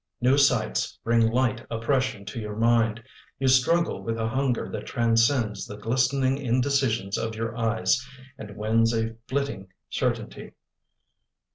New sights bring light oppression to your mind. You struggle with a hunger that transcends The glistening indecisions of your eyes And wins a flitting certainty.